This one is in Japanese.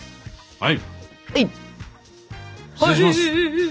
「はい」